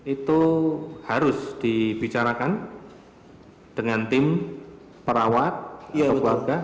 itu harus dibicarakan dengan tim perawat atau keluarga